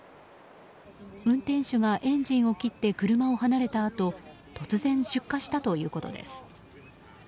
運転手がエンジンを切って車を離れたあと突然、出火したということです。